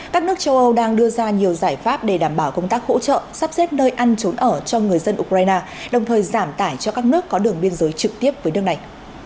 các nước châu âu đang đưa ra nhiều giải pháp để đảm bảo công tác hỗ trợ sắp xếp nơi ăn trốn ở cho người dân ukraine đồng thời giảm tải cho các nước có đường biên giới trực tiếp với nước này